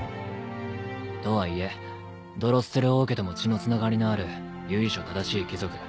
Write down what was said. とはいえドロッセル王家とも血のつながりのある由緒正しい貴族。